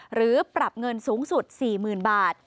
หรือปรับเงินสูงสุด๔๐๐๐บาท